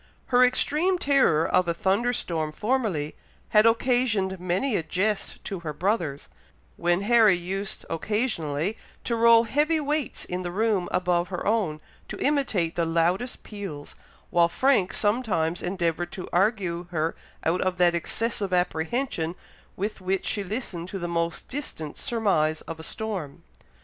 Her extreme terror of a thunder storm formerly, had occasioned many a jest to her brothers, when Harry used, occasionally, to roll heavy weights in the room above her own, to imitate the loudest peals, while Frank sometimes endeavoured to argue her out of that excessive apprehension with which she listened to the most distant surmise of a storm.